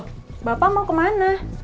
bhw bapak mau kemana